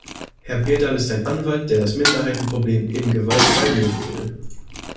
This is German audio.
Herr Birdal ist ein Anwalt, der das Minderheitenproblem eben gewaltfrei lösen will.